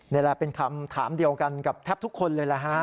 นี่แหละเป็นคำถามเดียวกันกับแทบทุกคนเลยแหละฮะ